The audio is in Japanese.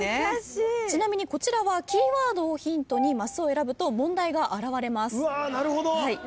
ちなみにこちらはキーワードをヒントにマスを選ぶと問題が現れます。